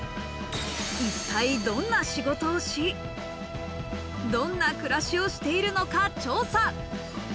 一体どんな仕事をし、どんな暮らしをしているのか調査。